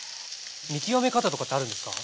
見極め方とかってあるんですか？